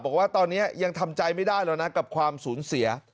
บอกว่าตอนนี้ยังทำใจไม่ได้แล้วนะกับความสูญเสีย